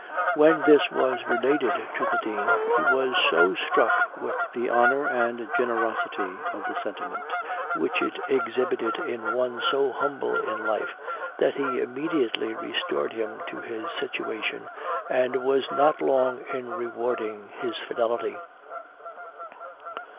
When this was related to the dean, he was so struck with the honor and generosity of sentiment, which it exhibited in one so humble in life, that he immediately restored him to his situation, and was not long in rewarding his fidelity.